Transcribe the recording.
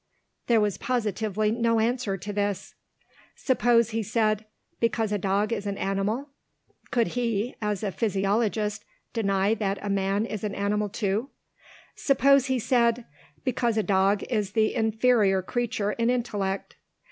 There was positively no answer to this. Suppose he said, Because a dog is an animal? Could he, as a physiologist, deny that a man is an animal too? Suppose he said, Because a dog is the inferior creature in intellect?